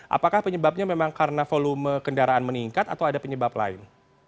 apakah penyebabnya memang karena volume kendaraan meningkat atau ada penyebab lain